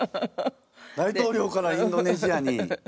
大統領からはインドネシアに。